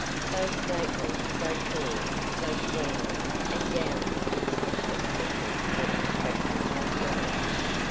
So stately, so tall, so queenly, and gowned in such a simple yet attractive house robe.